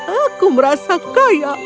aku merasa kaya